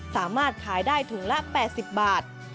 สามารถขายได้ถุงละ๘๐บาท